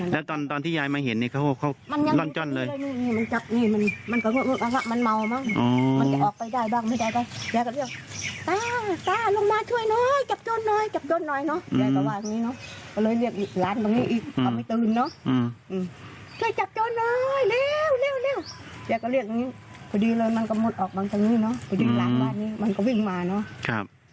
พอดีเลยมันก็หมดออกมาจากนี้เนอะพอดีหลังบ้านนี้มันก็วิ่งมาเนอะครับ